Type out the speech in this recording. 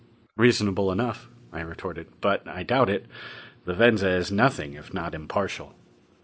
"Reasonable enough," I retorted. "But I doubt it the Venza is nothing if not impartial."